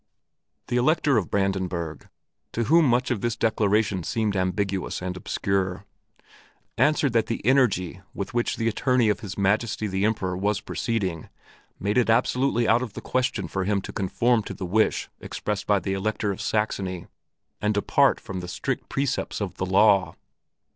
The Elector of Brandenburg, to whom much of this declaration seemed ambiguous and obscure, answered that the energy with which the attorney of his Majesty the Emperor was proceeding made it absolutely out of the question for him to conform to the wish expressed by the Elector of Saxony and depart from the strict precepts of the law.